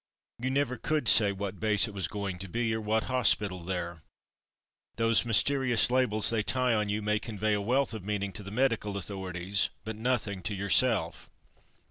You never could say what base it was going to be, or what hospital there. Those mysterious labels they tie on you may con vey a wealth of meaning to the medical authorities, but nothing to yourself.